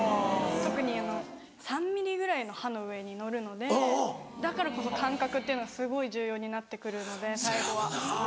特に３ｍｍぐらいの刃の上に乗るのでだからこそ感覚っていうのがすごい重要になって来るので最後は。